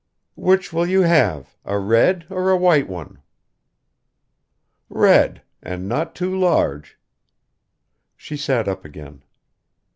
"Which will you have a red or a white one?" "Red, and not too large." She sat up again.